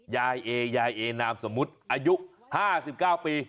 ยายเอยายเอนามสมมุติอายุ๕๙ปี